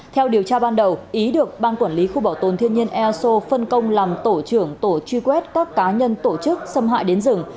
theo điều tra ban đầu ý được ban quản lý khu bảo tồn thiên nhân e a s o phân công làm tổ trưởng tổ truy quét các cá nhân tổ chức xâm hại đến rừng